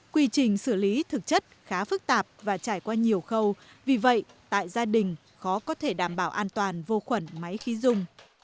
quy trình xử lý thực chất khá phức tạp và trải qua nhiều khâu vì vậy tại gia đình khó có thể đảm bảo an toàn vô khuẩn máy khi dùng